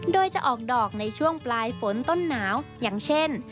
โดยจะออกดอกในช่วงปลายฝนต้นหนาวอย่างเช่น